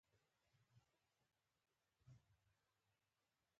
پیاز د ساه سیستم پاکوي